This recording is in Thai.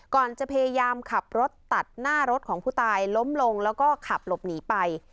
ก่อนจะพยายามขับรถตัดหน้ารถของผู้ตายล้มลงแล้วก็ขับหลบหนีไป